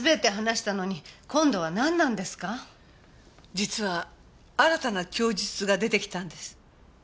実は新たな供述が出てきたんです。